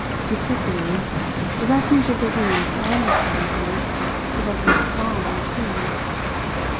Duplicity the refuge of the weak and the cowardly, but of the disarmed, too!